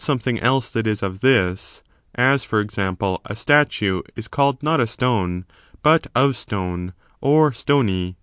^^^^ something else that is of this ; as, for example, a statue is called not a stone, but of stone or stony.